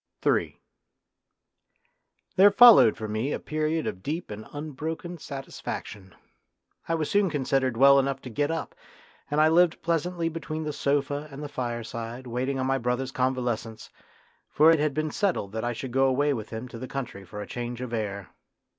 Ill There followed for me a period of deep and unbroken satisfaction. I was soon considered well enough to get up, and I lived pleasantly between the sofa and the fireside waiting on my brother's convalescence, for it had been settled that I should go away with him to the country for a change of air.